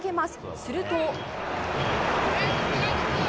すると。